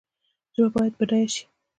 ژبه باید بډایه سي